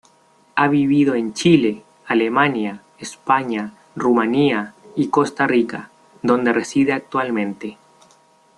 Ha vivido en Chile, Alemania, España, Rumanía, y Costa Rica, donde reside actualmente.